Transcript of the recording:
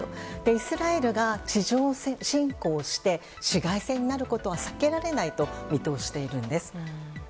イスラエルが地上侵攻して市街戦になることは避けられないと見通しているんです。